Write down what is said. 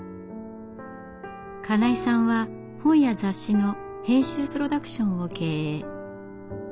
金井さんは本や雑誌の編集プロダクションを経営。